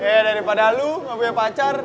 ya daripada lu gak punya pacar